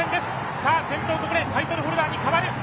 さあ、先頭、ここでタイトルホルダーにかわる。